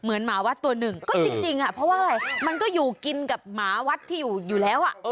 หมาวัดตัวหนึ่งก็จริงเพราะว่าอะไรมันก็อยู่กินกับหมาวัดที่อยู่แล้ว